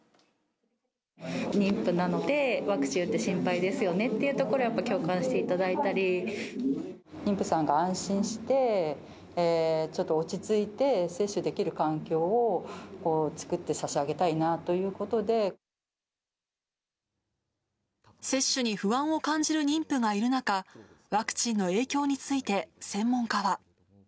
妊婦なので、ワクチン打って心配ですよねっていうところをやっぱり共感してい妊婦さんが安心して、ちょっと落ち着いて接種できる環境を作って差し上げたいなという接種に不安を感じる妊婦がいる中、ワクチンの影響について専門家は。